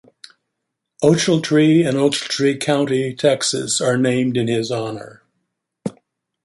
Ochiltree and Ochiltree County, Texas are named in his honor.